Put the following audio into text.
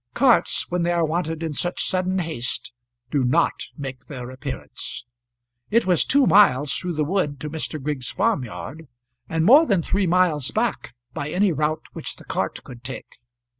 Carts, when they are wanted in such sudden haste, do not make their appearance. It was two miles through the wood to Mr. Griggs's farm yard, and more than three miles back by any route which the cart could take.